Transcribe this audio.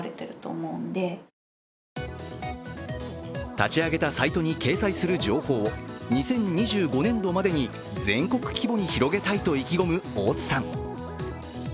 立ち上げたサイトに掲載する情報を２０２５年度までに全国規模に広げたいと意気込む大津さん。